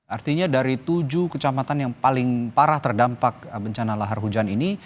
artinya dari tujuh kecamatan yang paling parah terdampak bencana lahar hujan ini